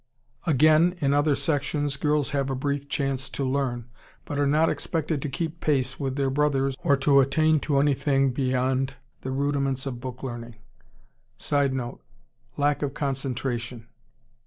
Again in other sections girls have a brief chance to learn, but are not expected to keep pace with their brothers or to attain to anything beyond the rudiments of book learning. [Sidenote: Lack of concentration.